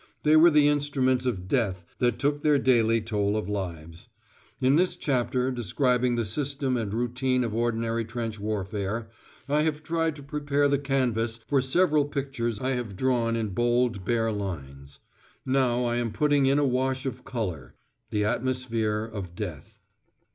They were the instruments of death that took their daily toll of lives. In this chapter describing the system and routine of ordinary trench warfare, I have tried to prepare the canvas for several pictures I have drawn in bold bare lines; now I am putting in a wash of colour, the atmosphere of Death.